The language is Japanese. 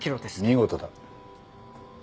見事だ。